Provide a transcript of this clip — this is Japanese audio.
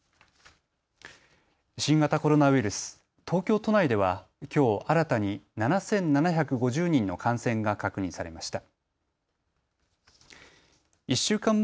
新型コロナウイルス、東京都内ではきょう新たに７７５０人の感染が確認されました。